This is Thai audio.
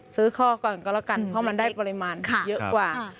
ซื้อข้อก็ดีการกล่ากันเพราะมันได้ปริมาณเยอะกว่า